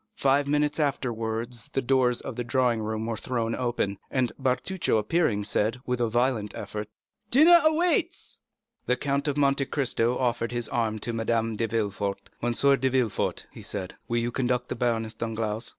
Five minutes afterwards the doors of the drawing room were thrown open, and Bertuccio appearing said, with a violent effort, "The dinner waits." The Count of Monte Cristo offered his arm to Madame de Villefort. "M. de Villefort," he said, "will you conduct the Baroness Danglars?"